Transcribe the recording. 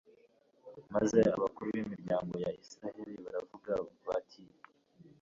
maze abakuru b'imiryango ya israheli baravuga bati